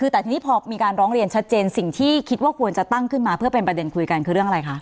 แต่ทีนี้พอมีการร้องเรียนชัดเจนสิ่งที่คิดว่าควรจะตั้งขึ้นมาเพื่อเป็นประเด็นคุยกันคือเรื่องอะไรคะ